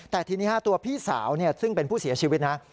แต่ทีนี้ตัวพี่สาวซึ่งเป็นผู้เสียชีวิตนะ